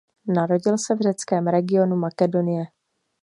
Narodil se v řeckém regionu Makedonie.